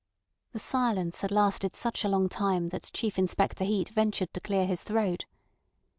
The silence had lasted such a long time that Chief Inspector Heat ventured to clear his throat.